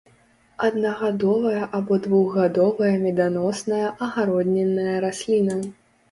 Аднагадовая або двухгадовая меданосная агароднінная расліна.